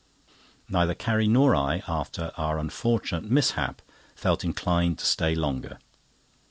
Neither Carrie nor I, after our unfortunate mishap, felt inclined to stay longer.